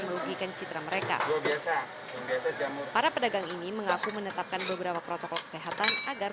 merugikan citra mereka biasa jamu para pedagang ini mengaku menetapkan beberapa protokol kesehatan agar